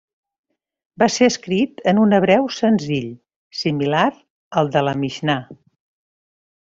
Va ser escrit en un hebreu senzill, similar al de la Mixnà.